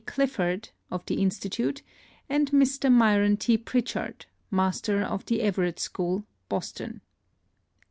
Clifford, of the Institute, and Mr. Myron T. Pritchard, master of the Everett School, Boston.